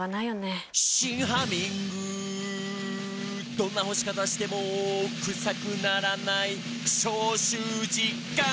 「どんな干し方してもクサくならない」「消臭実感！」